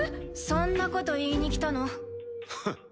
そんなこと言いに来たの？ふん。